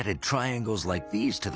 だ